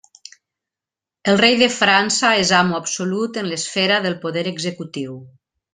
El rei de França és amo absolut en l'esfera del poder executiu.